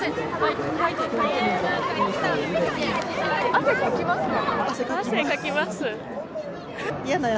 汗かきますか？